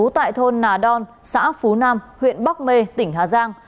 tại thôn nà đòn xã phú nam huyện bắc mê tỉnh hà giang